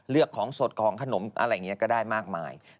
เลือกของสดของขนมอะไรอย่างนี้ก็ได้มากมาย